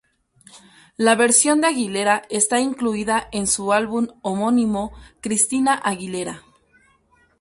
La versión de Aguilera está incluida en su álbum homónimo "Christina Aguilera".